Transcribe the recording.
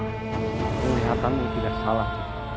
penglihatanmu tidak salah